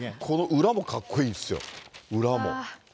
この裏もかっこいいですよ、裏も。